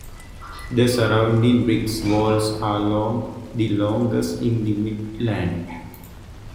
The surrounding brick walls are long, the longest in the Midland.